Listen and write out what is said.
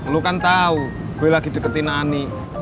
lu kan tahu gue lagi deketin ani